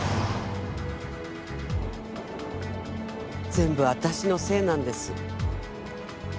全部私のせいなんです。